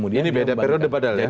ini beda periode padahal ya